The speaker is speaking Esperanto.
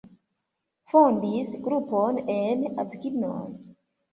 Fondis grupon en Avignon.